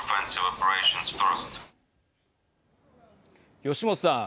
吉元さん。